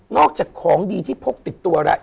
อกจากของดีที่พกติดตัวแล้ว